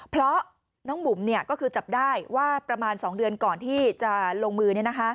เพราะน้องบุ๋มก็คือจับได้ว่าประมาณ๒เดือนก่อนที่จะลงมือ